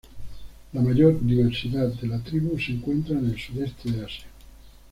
La mayor diversidad de la tribu se encuentra en el sudeste de Asia.